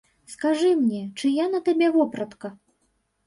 Скажы мне, чыя на табе вопратка?